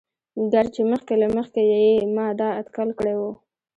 ګر چې مخکې له مخکې يې ما دا اتکل کړى وو.